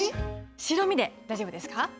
白身で大丈夫ですか？